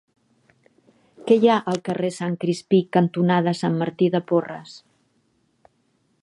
Què hi ha al carrer Sant Crispí cantonada Sant Martí de Porres?